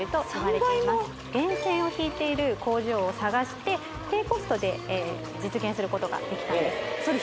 源泉をひいている工場を探して低コストで実現することができたんですそれ